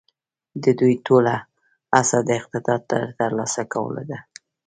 د دوی ټوله هڅه د اقتدار د تر لاسه کولو ده.